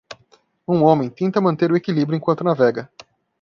Um homem tenta manter o equilíbrio enquanto navega